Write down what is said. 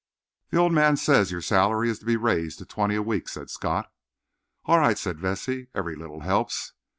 "The old man says your salary is to be raised to twenty a week," said Scott. "All right," said Vesey. "Every little helps.